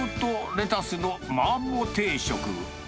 レタスのマーボー定食。